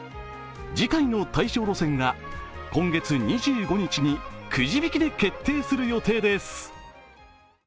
次回の対象路線は今月２５日にくじ引きで決定する予定です。